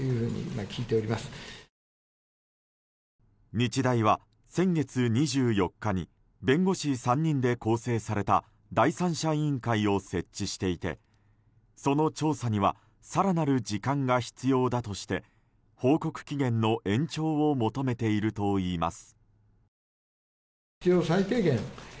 日大は、先月２４日に弁護士３人で構成された第三者委員会を設置していてその調査には更なる時間が必要だとして報告期限の延長を求めているといいます。